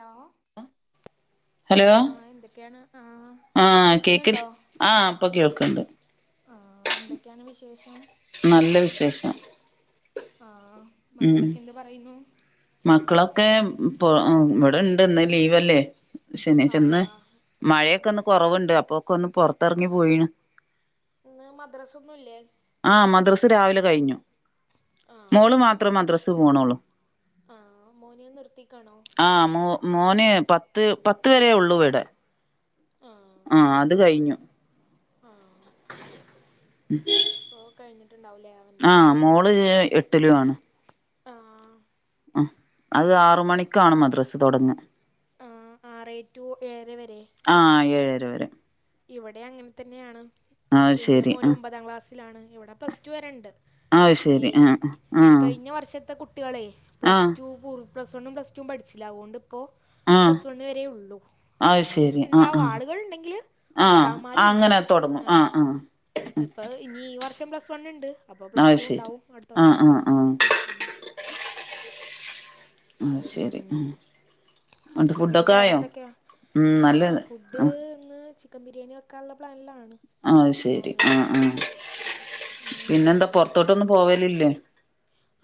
Hello ആ hello ആഹ് എന്തൊക്കെയാണ് ആഹ് ആഹ് കേക്കിൽ കേൾക്കുന്നുണ്ടോ ആഹാ ഇപ്പൊ കേൾക്കണ്ട് ആഹ് എന്തൊക്കെയാണ് വിശേഷം നല്ല വിശേഷം ആഹ് ഉം മക്കളൊക്കെ എന്ത് പറയുന്നു മക്കളൊക്കെ ഇവിടെ ഇണ്ട്ന്ന് ലീവ്ല്ലേ ശനിയാചെന്ന് ആഹ് ഉം മഴയൊക്കെ ഒന്ന് കുറവുണ്ട് അപ്പൊക്കെ ഒന്ന് പൊറത്തിറങ്ങി ആഹ് പോയിണ് ഇന്ന് മദ്രാസൊന്നും ഇല്ലേ ആഹ് മദ്രസ് രാവിലെ കഴിഞ്ഞു ആഹ് മോള് മാത്രം മദ്രസ്സ് പോകണള്ളൂ ആ മോനിയ നിർത്തിക്കാണോ ആ മ മോന് പത്ത് പത്ത് വര ഉള്ളൂ ഇവിടെ ആഹ് ആഹ് അത് കഴിഞ്ഞു ആഹ് ഉം ഓ കഴിഞ്ഞിട്ടുണ്ടാവലേ ആ മോള് എട്ടിലും ആണ് ആഹ് അത് ആറ് മണിക്കാണ് മദ്രസ് തുടങ്ങ ആറ് ടു ഏഴരവരെ ആ ഏഴര വരെ ഇവിടെ അങ്ങനെ തന്നെയാണ് അത് വലിയ ശരി മോൻ ഉം ഒമ്പതാം ക്ലാസ്സിലാണ് ഇവിടെ പ്ലസ് ടു വരെണ്ട് അത് ശേ ശരി ആഹ് ആഹ് കഴിഞ്ഞ വർഷത്തെ കുട്ടികളെ പ്ലസ് ആഹ് ടുൂർ പ്ലസ്‌വൺ പ്ലസ്ടു പഠിച്ചില്ലാ അകൊണ്ട് ഇപ്പോൾ ആഹ് പ്ലസ് വൺ വര ഉള്ളു അത് ഇനി ശരി ആഹ് ഉണ്ടാവോ ആഹ് ആളുകൾ ഉണ്ടെങ്കില് ആഹ് ഉസ്താമാരും ഉണ്ട് അങ്ങനെ തൊടങ്ങും ആ ആഹ് ആഹ് ഇപ്പൊ ഇനി ഈ വർഷം പ്ലസ് വൺ ഉണ്ട് അപ്പൊ പ്ലസ് ടു ഉണ്ടാവും അടുത്ത ആഹ വർഷം ആഹ ആഹ [unintelligible] ആ ശരി ഉം. എന്നട്ട് എന്നിട്ട് ഫുഡൊക്കെ വേറെ ആയോ എന്തൊക്കെയാ ഉ ആ നല്ലത് ഫുഡ് ആ ഇന്ന് ചിക്കൻ ബിരിയാണി വെക്കാനുള്ള പ്ലാനിലാണ് ആ അപ്പോൾ ശെരി ആ അങ്ങനെ ആ പിന്നെന്താ പൊറത്തോട്ടൊന്നും പോവലല്ലേ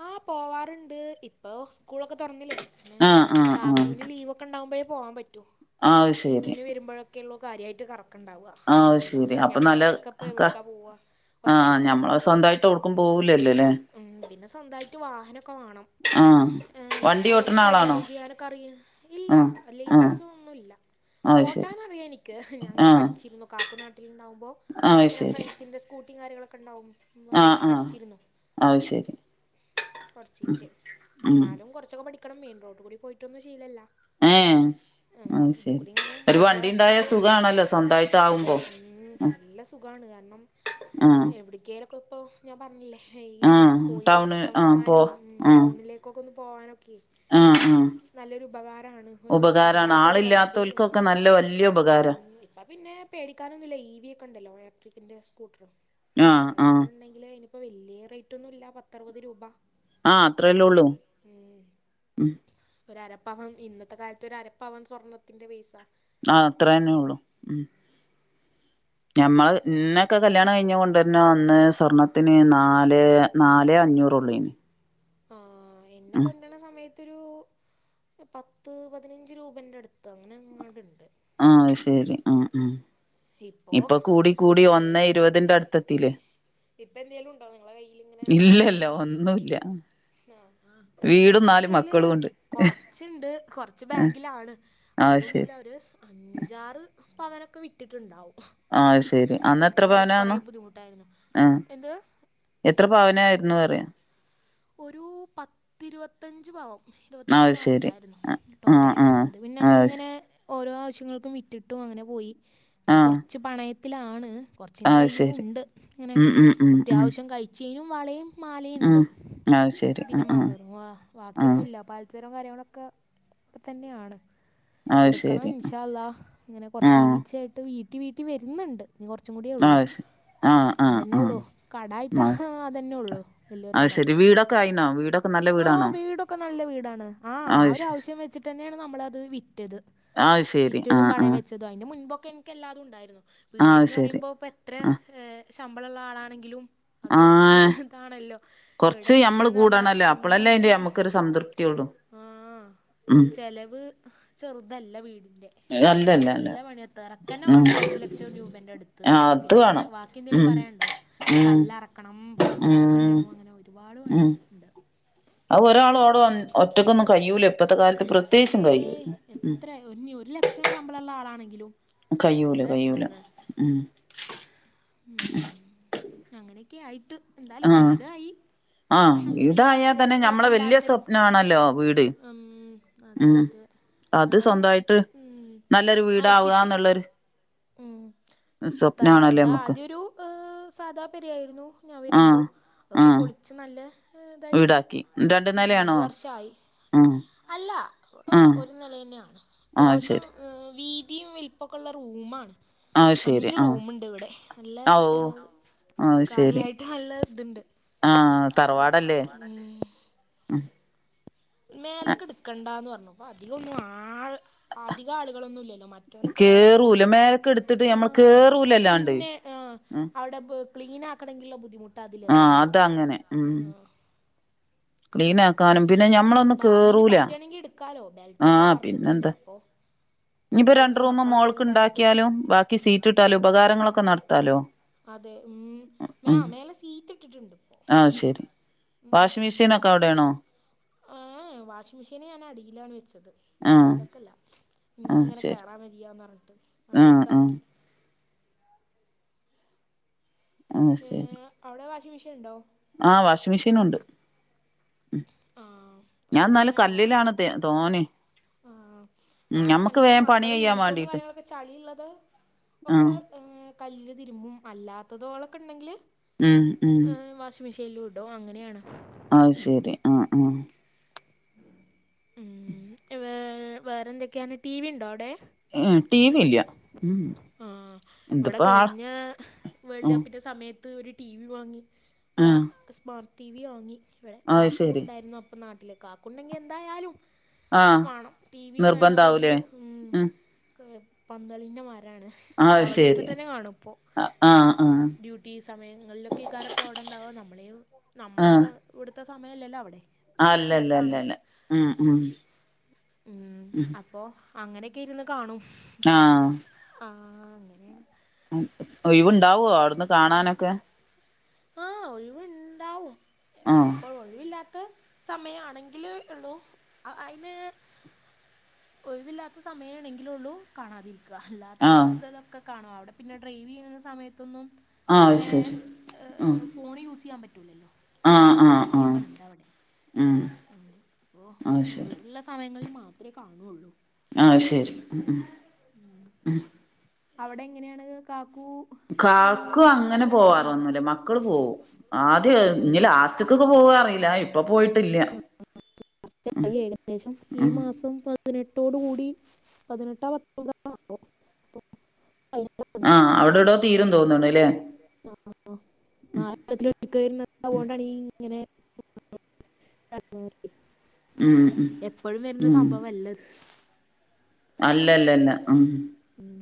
ആഹ പോവാറുണ്ട് ഇപ്പൊ സ്കൂളൊക്കെ തുറന്നില്ലേ പിന്നെ ആഹ് ആഹ് ആഹ് കാക്കുവിന് ലീവൊക്കെ കറക്ക ഉണ്ടാകുമ്പോഴേ പോകാൻ പറ്റോ അത് ശരി ലീവിന് വരുമ്പോഴൊക്കെ ഉള്ളൂ കാര്യമായിട്ട് കറക്കുണ്ടാവുക ആ അത് അല്ലെങ്കില ശരി ഒന്നും അപ്പൊ നല്ല ഞാനൊക്കെപ്പ എവിടക്കാ പോവ ഒറ്റക്ക് സ്വന്തമായിട്ട് ടുക്കും പോവൂല്ലല്ലോ അല്ലേ പിന്നെ സ്വന്തമായിട്ട് വാഹനമൊക്കെ വേണം ആഹ് ഏ വണ്ടി ഓട്ട്ണ അതൊക്കെ ആളാണോ കൈകാര്യം ചെയ്യാനൊക്കെ അറിയാണ് ഇല്ല ആഹ് ആഹ് ലൈസൻസ ഒന്നുമല്ല ആ അത് ശരി ഓട്ടാൻറിയാം എനിക്ക് ഞാൻ അങ്ങനെ ആഹ് പഠിച്ചിരുന്നു കാക്കുനാട്ടിൽ ഉണ്ടാവുമ്പോ അത് ഇങ്ങനെ ശരി ഫ്രണ്ട്സിന്റെ സ്കൂട്ടി കാര്യങ്ങളൊക്കെണ്ടാവും ആഹ് അങ്ങനെ ആഹ് പഠിച്ചിരുന്നു അത് ശരി കൊറചീച്ചെ ഉം എന്നാലും കുറച്ചൊക്കെ പഠിക്കണം മെയിൻ റോഡ കൂടി പോയിട്ട് ഒന്നും ശിലല്ല ഏ ആ ശരി ഒരു നമ്മളെ വണ്ടിണ്ടായ ഏഹ്, സുഖമാണല്ലോ സ്വന്തമായിട്ട് അതെ ആവുമ്പോ ഉം, നല്ല സുഖാണ് കാരണം ആഹ് എവിടക്കലൊക്കെ ഇപ്പോൾ ഞാൻ പറഞ്ഞില്ലേ ഈ ഈ ആഹ് കോഴി ടൗണ് ചിക്കൻ ആഹ് പോ വാങ്ങാനും ആഹ് ടൗണിലേക്കൊക്കെ ഒന്ന് പോകാനൊക്കെ ആഹ് ആഹ് നല്ലൊരു ഉപകാരാണ് ഒരു ഉപകാരാണ് സ്വന്തായിട്ടൊരു വണ്ടി ഉം ആളില്ലാത്തോൽക്കൊക്കെ നല്ല വല്യ ഉപകാരാ ഇപ്പ പിന്നെ പേടിക്കാനൊന്നുല്ല ഈവിയെക്കെ ണ്ടല്ലോ ഏട്രിക്കിന്റെ സ്കൂട്ട്ർ [unintelligible] ആ ക്കണ്ടെങ്കില് ഇനിപ്പം വല്ല്യേ റൈറ്റ് ഒന്നും ഇല്ല പത്തറുപത് രൂപ ആ അത്രല്ലേ ഒള്ളൂ ഉം ഒര് അരപ്പവൻ ഇന്നത്തെ കാലത്ത് ഒര് അരപ്പവൻ സ്വർണ്ണത്തിന്റെ പൈസ ആ അത്രന്നെ ഒള്ളൂ ഞമ്മള് ഇന്നെ ക്കെ കല്യാണം കഴിഞ്ഞ് കൊണ്ടര്ണ അന്ന് സ്വർണ്ണത്തിന് നാലേ നാലേ അഞ്ഞൂറൊള്ളെനി ആ ഇന്നെ കൊണ്ടണ സമയ ത്തൊരു പത്ത് പതിനഞ്ച് രൂപൻ്റെ അടുത്ത് അങ്ങനെ ങ്ങാണ്ട്ണ്ട്. ആഹ് അഹ് ശരി ആ ആ ഇപ്പോഏ ഒന്ന് ഇരുപതിന്റെ അടുത്തെത്തില്ലേ ഇപ്പ എന്തേലും ണ്ടോ നിങ്ങളെ കയില്ങ്ങനെ സ്വർണ ഇല്ലല്ല ഞ്ഞ് ഒന്നുല്ല ആ ആ വീടും എന്റെ നാല് കയ്യില് മക്കളും ഉണ്ട് കൊറച്ച്ണ്ട് കൊറച്ച് ബാങ്കിലാണ് ആഹ് അധികന്നുല്ല ശരി ഒര് അഞ്ചാറ് പവനൊക്കെ വിറ്റ്ട്ട്ണ്ടാവും ആഹ് ശരി അന്ന് എത്ര നാട്ടിലായിട്ട് കൊറെ പവനാന്നു ബുദ്ധിമുട്ടായിരുന്നു ആഹ് എന്ത്. എത്ര പാവനായിരുന്നു അറിയാ ഒരു പത്തിരുവത്തഞ്ച് പാവൻ ഇരുപത്തജ്ജ് ആഹ് പവൻ ശരി ഉണ്ടായിരുന്നു ആഹ് ടോട്ടല് ആഹ് അത് പിന്നെ ആഹ് ശ അങ്ങനെ ഓരോ ആവശ്യങ്ങൾക്കും വിറ്റിട്ടും അങ്ങനെ പോയി ഇപ്പ ആഹ് കൊറച്ച് പണയത്തിലാണ് കൊർ ച്ച് ന്റെ ആഹ് ശരി കയ്യിലുണ്ട് അങ്ങനെ ഉം ഉം ഉം ഉം അത്യാവശ്യം കഴിച്ചയ്നും വളയും മാലയും ണ്ട്. അഹ് ശ പിന്നെ മഹ് റും വാ വാക്കിയൊന്നുല്ല പാൽസാരും കാര്യങ്ങളൊക്കെ തന്നെയാണ് ആഹ് എടുക്കണം ശരി ഇൻഷാ അല്ല ഇങ്ങനെ കുറച്ച് ആഹ് ചീച്ച ആയിട്ട് വീട്ടി വീട്ടി വരുന്നുണ്ട്. ഇഞ്ഞ് കുറച്ചും കൂടിയേ ഒള്ളൂ ആഹ് ശ ആഹ് ആഹ് അതന്നെ ഒള്ളു കടായിട്ടാ ആഹ് അതന്നെ ഒള്ളൂ വല്യയൊരു കടായിട്ട്. കായി ണോ വീട് ആഹ് വീടൊക്കെ നല്ല വീടാണ് ആ ആ ആഹ് ഒരു ശരി ആവശ്യം വെച്ചിട്ട് തന്നെയാണ് നമ്മളത് വിറ്റത് അഹ് ശരി ആ ആ ത് അയിന്റെ മുൻപൊക്കെ ഇൻക്ക് എല്ലാതും ഉണ്ടായിരുന്നു ആഹ് വീട്ന്ന് ശെരി പറയുമ്പോ എത്ര ആഹ് ശമ്പളള്ള ആളാണെങ്കിലും അത് കുറച്ച് ആഹ് ഇതാണല്ലോ ഇവടെ കൊറച്ച് വെ ഞമ്മള് [unintelligible] കൂടണല്ലോ അപ്പളല്ലേ അയിന്റെ ഉം ഞമ്മക്കൊരു സംതൃപ്തിയൊള്ളു ആ ഉം ചെ ലവ് ചെറുതല്ല വീടിൻ്റെ അല്ലല്ല അല്ല നല്ല പണി തറക്കന്നെ ഉം വേണം രണ്ട് ലക്ഷം രൂപന്റെടുത്ത് ആഹ് അത് പിന്നെ വേ വേണം വാക്കി എന്തെങ്കിലും ഉം പറയാണ്ടോ. ഉം കല്ലറക്കണം പണിക്കാര ഉം കൊണ്ടണം അങ്ങനെ ഒരുപാട് പണി ഉണ്ട് അഹ് ഒരാളോടൊന്ന് ഒറ്റക്കൊന്നും കഴൂല ഇപ്പത്തെ കാലത്ത് പ്രത്യേകിച്ചും കഴൂല്ല ഉം ഇഞ്ഞ് ഒരു ലക്ഷം ശമ്പളള്ള ആളാണെങ്കിലും കയ്യൂല നല്ല കയ്യൂല താണ് ഉം ഉം അങ്ങനെയൊക്കെ ആയിട്ട് എന്തായാലും ആഹ് വീടായി ആഹ് അൽഹംദുലില്ലാ വീടായാ തന്നെ അത്യാവശ്യം ഞമ്മളെ വല്യ കുഴപ്പമില്ലാത്തൊരു സ്വപ്നാണല്ലോ വീട് ഉം, അതെ ഉം അതെ അത് അതാണ് ഉം, സ്വന്തായിട്ട്നല്ലൊരു ആയി കിട്ടി വീടാവാന്നുള്ളൊര് ഉം തറവ ഇത് ആദ്യൊരു സാദാ പെ രേയിരുന്നു ഞാൻ വരുമ്പോ ആഹ് അഹ് പ്പം ആഹ് പൊളിച്ച് നല്ല ഇതായിട്ട് വീടാക്കി രണ്ട് ഉം നെലയാണോ അഞ്ചു വർഷായി ആഹ് അല്ല വിടെ ആഹ് ഒരു നില ന്നെയാണ് ആഹ് അത്യാവശ്യം ശരി വീതിയും വെൽപ്പൊക്കള്ള റൂമാ ആഹ് ശരി ആഹ് അഞ്ച്റൂമുണ്ട് ഇവിടെ നല്ല ആഹ് ഏ ഓഹ് ആഹ് ശരി കാര്യായിട്ട് നല്ല ഇത്ണ്ട് ആഹ് ആ തറവാടല്ലേ ഉം മേലക്ക് ഇട്ക്കേണ്ട ന്ന് പറഞ്ഞു അധി കൊന്നും ആള് അധിക ആളുകളൊന്നും ഇല്ലല്ലോ മ മറ്റലൊക്കെ വേറെ കേറൂല പോയി മേലക്ക് എടുത്തിട്ട് ഞമ്മൾ ആഹ് കേറൂലല്ലാണ്ട് പിന്നെ ആഹ് ഉം അവിടെ പൊ ക്ലീൻ ആക്കണെങ്കിള്ള ബുദ്ധിമുട്ട് ആഹ് അതിലേറെയാണ് അതങ്ങനെ ആഹ് ക്ലീൻ ആക്കാനും പിന്നെ ഞമ്മളൊന്നും കേറൂല ക്കാലോ ബെൽറ്റ ഒക്കെ ആഹ് വാർത്തിട്ടുണ്ട് പിന്നെന്താ അപ്പൊ ഇനിയിപ്പോ പറ്റാണ് മക്കളൊക്കെ വൽതായിട്ട് സീറ്റിട്ടാലോ ഉപകാരങ്ങളൊക്കെ നടത്താലോ അതെ ഉം മേ ഉം മേലെ സീറ്റ് ഇട്ടിട്ട്ണ്ട് ആഹ് വാഷിംഗ് മിഷീൻ ഒക്കെ അവിടെണോ? ഏഹ് വാഷിംഗ് മെഷീന് ഞാന് അടിയിലാണ് വെച്ചത് ആഹ് മേലക്കല്ല നിനക്ക് ആഹ് ഇങ്ങനെ ശരി കയറാൻ വയ്യാന്ന് പറഞ്ഞിട്ട് ആഹ് അടിക്ക് ആഹ് ആക്കി. ആഹ് ശരി അവിടെ വാഷിംഗ് മെഷിൻ ഇണ്ടോ? ആഹ് വാഷിംഗ് മെഷീൻ ഉണ്ട് ആ ഞാൻ ന്നാലും കല്ലിലാണ് തോനിം ആഹ് ഞാൻ നല്ല പണി മക്കളെ ചെയ്യാൻ യൂണിഫോമ് വേണ്ടീട്ട് കാര്യങ്ങളൊക്കെ ചളി ഇള്ളത് ആഹ് ഒക്കെങ്ങ ഉം കല്ല്ല് തിരുമ്പും അല്ലാത്തതോളൊക്കെ ഉണ്ടെങ്കില് ഉം ഉം മിഷില്ലുഡു അങ്ങനെയാണ് അശരി ആഹ് ആഹ് ഉം വേർ വേറെന്തൊക്കെയാണ് ടി വി ഇണ്ടോ അവിടെ എ ടി വി ഇല്ല ആഹ് ഇവിടെ ഇതിപ്പോ ആഹ് കഴിഞ്ഞ വേൾഡ് ഉം കപ്പിന്റെ സമയ ത്ത് ഒരു ടി വി വാങ്ങി ഒ ആഹ് സ്മാർട്ട് ടി വി വാങ്ങി ഇവിടെ അത് കാക്കൂ ശരി ഉണ്ടായിരുന്നു അപ്പ നാട്ടില് കാക്കു ഇണ്ടെങ്കി എന്തായാലും ആഹ് വേണം ടി വിയും വേണം അതില് നിർബന്ധാവൂലേ ഉം പന്തളിന്റെ മരാണ് അത് അവിടെ ശരി ഇര്ന്നിട്ടന്നെ കാണും ഇപ്പോ ആഹ് ആഹ് ഡ്യൂട്ടി സമയങ്ങളിലൊക്കെയ് ക്കാരപ്പോ അവിടണ്ടാവോ നമ്മളെ നമ്മളെ ആഹ് സ ഇവിടുത്തെ സമയല്ലല്ലോ അവിടീം അല്ല അല്ല അല്ല വ്യത്യാസണ് അല്ല ഉം ഉം ഉം പ്പൊ അങ്ങനെയൊക്കെ ഇരുന്ന് കാണും ആഹ് ആഹ് അങ്ങനെണ് ഒയിവുണ്ടാവോ അവിട്ന്ന് കാണാനൊക്കെ ആഹ് ഒഴിവുണ്ടാവും ആഹ് എപ്പോഴും ഒഴിവില്ലാത്തെ സമയ ആണെങ്കിൽ ഉള്ളൂ അയിന് ഒഴിവില്ലാത്ത സമയമാണെങ്കിലുള്ളൂ കാണാതിരിക്ക അല്ലാത്ത ആഹ് ഇതലൊക്കെ കാണും അവിടെ പിന്നെ ഡ്രൈവെയ്യുന്ന സമയത്തൊന്നും ആഹ് അത് ശരി ആഹ് ങ് ഫോണ് യൂസെയ്യാൻ പറ്റുല്ലല്ലോ അങ്ങൻ ആഹ് ത്തൊരു ആഹ് ആഹ് നിയമം ഇണ്ട് അവിടെ ഉം ങ് അപ്പൊ അത് ഒഴി ശരി ല്ല സമയങ്ങളിൽ മാത്രേ കാണുള്ളൂ ആഹ് ശരി ഉം. അവിടെ എങ്ങനെയാണ് കാക്കു കാക്കു ഏഹ്, അങ്ങനെ പന്തളിയൊക്കെ കാണുമോ പോവാറൊന്നൂല്യ മക്കള് പോവും ആദ്യ ആ ഇങ്ങ ചക്കൊക്കെ പോവാറിം ഏകദേശം ഈ ഉം മാസം പ പതിനെട്ടോട് കൂടി പതിനെട്ടാ പത്തൊമ്പതാ ആകോ [unintelligible] ആഹ് അവിടെടോ തീരും തോന്ന്ണ് ല്ലേ ആഹ് നാലത്തി [unintelligible] വരുന്നണ്ടാണീ ഇങ്ങനെ [unintelligible] [unintelligible] ഉം ഉം എപ്പഴും വര്ണ സംഭവല്ല അല്ലല്ല അല്ല ഉം മം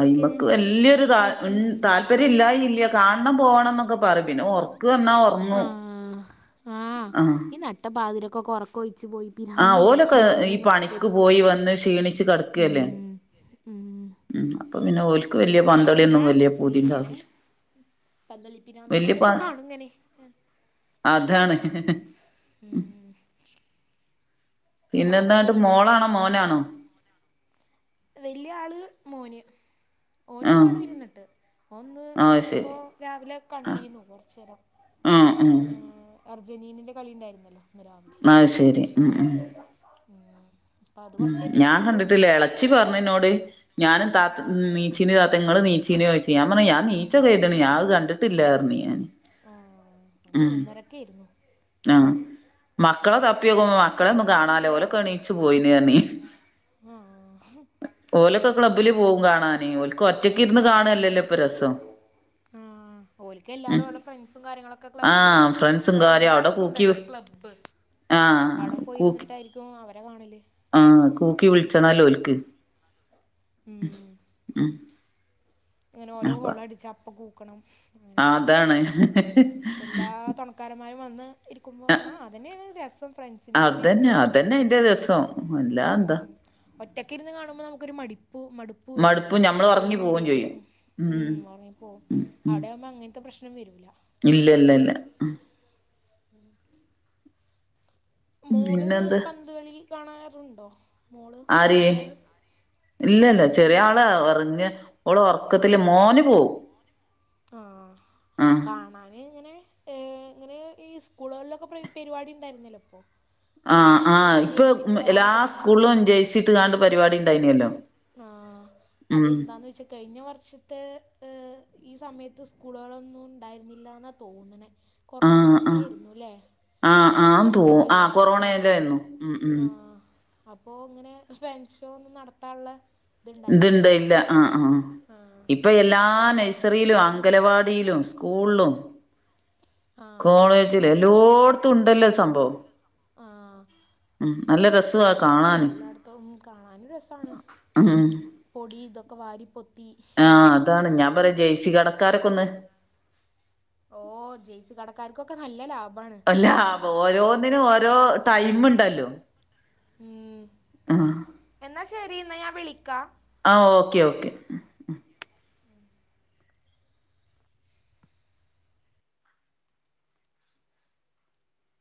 അയ്മക്ക് വല്യൊരു ത വിശേഷം താല്പര്യം ഇല്ലായി ഇല്ല കാണണം പോണം എന്നൊക്കെ പറയും പിന്നെ ഒ ർക്ക് വന്ന ആ ഒറങ്ങും. പാതിരാക്കോകേ ഉറക്കം ഒഴച്ച് പോയി ആഹ് പിരാന്ത്ണ്ടോ ഓലൊക്കെ കാണാന് ഈ എന്നൊക്കെ പണിക്ക് കരുത പോയി വന്ന് ക്ഷീണിച്ച് ഉം കിടക്കല്ലേ ഉം ഉം അപ്പൊ പിന്ന ഓൽക്ക് വല്ല്യ പിന്നെ പന്തളിയൊന്നും വല്ല്യ പൂതിണ്ടാവൂല പന്ത്ളി പ്രാന്തന്മാർ കാണുങ്ങനെ അതാണ് ഹ് ഹ് ഹ് ഉം നമ്മളവിടെയിണ്ടേയിലണ്ട് ഹലോ വല്ല്യാള് മോന് ഓനും ആഹ് കാണും ഇരുന്നട്ട് ഓൻന്ന് അ് ആഹ് ഇപ്പൊ ശരി രാവിലെ ആഹ് കണ്ടീന്നു കൊറച്ചേരം. ആഹ് ആ അർജന്റീനന്റെ കളി ഇണ്ടായിരുന്നല്ലോ ആഹ് ശരി ഉം ഉം ഉം അപ്പം അത് ഉം കുറച്ച് നേരം ഇരുന്ന് ഞാൻ കണ്ടു കണ്ടിട്ടില്ല എളച്ചി പറഞ്ഞെന്നോട് ഞാനും താ ആ നീച്ചിന് താത്താ ഇങ്ങള് നീച്ചിനോ ചോയ്ച്ച് ഞാൻ പറയും ഞാൻ നീച്ചൊക്കെയ്ത്ണ് ഞാ അത് ആ കണ്ടിട്ടില്ലാ പറഞ്ഞ്ഞാന് ഉം പി ക്കേയിരുന്നു ആഹ് മക്കള ഒരു തപ്പിയോക്കുമ്പ മക്കള അഞ്ച് ഒന്നും മണി കാണാല്ല ഓലൊക്ക എണീച്ച് പോയീന് പറഞ്ഞി ആഹ് ഓലൊക്കെ ക്ലബ്ബില് പോവും കാണാന് ഓൽക്ക് ഒറ്റക്കിരുന്ന് കാണ്യല്ലല്ലോ ഇപ്പൊ രസം ആഹ് ഓല്ക്കെല്ലാരും ഓല ഫ്രണ്ട്സും കാര്യങ്ങളൊക്ക് ക്ക ക്ലബ്ബില് ആഹ് ഫ്രണ്ട്സും ഇപ്പൊ കാര്യം അവിടെ എല്ലാടത്തു കൂക്കി ഉണ്ടല്ലോ ഒരു ക്ലബ്ബ് ആഹ് അവടെ കൂക്കി പോയിരുന്നിട്ടായിരിക് ക്കും അവരെ കാണല് ആഹ് കൂക്കി വിളിച്ചണല്ലോഒല്ക്ക് ഉം ഇങ്ങന ഓരോ അപ്പൊ ഗോളടിച്ചാ അപ്പ കൂക്കണം അങ്ങനെയൊക്കെ അതാണ് എല്ലാ [unintelligible] ക്കാരമ്മാരും വന്ന് ഇരിക്കുമ്പോ ആഹ് അതന്നേണ് രസം ഫ്രണ്ട്സിന്റെ കൂടെ ഇരിക്ക അതന്നെ അതന്നെ അയിന്റെ രസം ഉം അല്ലാതെന്താ ഉം ഒറ്റക്കിരുന്ന് കാണുമ്പ നമുക്കൊരു മടിപ്പൂ മടുപ്പു വരും മടുപ്പും ഞമ്മള് ഒറങ്ങി ഇത്രയും നേരം പോവും ഇരുന്ന് ചെയ്യും ഉം ഒറങ്ങിപ്പോകും അവടെയാവുമ്പ അങ്ങനത്തെ പ്രശ്നം വരൂല ഇല്ലല്ലല്ല ഉം മോള് പിന്നെന്ത് പന്ത് കളി കാണാറുണ്ടോ മോള് ആര് ചെറിയ ആള് ഇല്ലല്ല ചെറിയ ആള് ഒറങ്ങാ ഓള് ഒറക്കത്തില് മോന് പോവും ആഹ് ആഹ് കാണാന് ഇങ്ങനെ ഏ ഇങ്ങനെ ഈ സ്കൂളുകളിലൊക്ക പ്രേ പെരിവാടി ഇണ്ടായിര്ന്നല്ല അപ്പോ ആഹ് ആഹ് ഇപ്പ ഉം എല്ലാ പറഞ്ഞിട്ട് സ്കൂളിലും ജരഴ്‌സിട്ട്കാണ്ട് പരിപാടി ഇണ്ടായിനിയല്ലോ ആഹ് അതെന്താന്ന് വെച്ചാ കഴിഞ്ഞ വർഷത്തെ അ് ഈ സമയത്ത് സ്കൂളുകളൊന്നും ഉണ്ടായിരുന്നില്ലാന്നാ തോന്ന്ണേ കൊറോണാ ആഹ് ആഹ് സമയേരുന്നൂലേ ആഹ് ആന്ന് ഇരുവത്ത്രണ്ട് തോന്നു അല്ലേ ആഹ് കൊറോണയിലായിരുന്നു ഉം ഉം ആഹ് അപ്പോ ഇങ്ങനെ ഫാൻ ഷോ ഒന്നും നടത്താൻള്ള ഇത്ണ്ട് ഇല്ല ആഹ് ആഹ് ആഹ് ഇപ്പൊ എല്ലാ അവസരം ഉണ്ടായിരുന്നില്ല നഴ്സറിലും ഇപ്പൊ പിന്നെ അംഗലവാ വാടീലും സ്ക്കുളും ആഹ് കോളേ ജില് എല്ലോടത്തും ഉണ്ടല്ലോ സംഭവം ആഹ് ഉം നല്ല രസം എല്ലാടത്തും കാണാനും രസാണ് ഉം പൊടീ തൊക്കെ വാരി പൊത്ത് ആഹ് അതാണ് ഞാൻ പറയാ ജെയ്സി കടക്കാരൊക്കൊന്ന് ഓ ജെയ്സി കടക്ക് ക്കാര്ക്കൊക്ക നല്ല ലാഭാണ്. അല്ല ഓരോന്നിനും ഓരോ ടൈം ഉണ്ടല്ലോ ഉം ആഹ് എന്നാ ശരി ന്നാ ഞാൻ വിളിക്കാ. ആഹ് ഓക്കെ ഓക്കെ ഉം